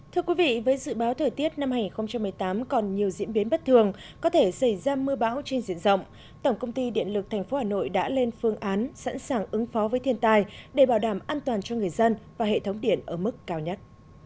thưa quý vị với dự báo thời tiết năm hai nghìn một mươi tám còn nhiều diễn biến bất thường có thể xảy ra mưa bão trên diện rộng tổng công ty điện lực tp hà nội đã lên phương án sẵn sàng ứng phó với thiên tài để bảo đảm an toàn cho người dân và hệ thống điện ở mức cao nhất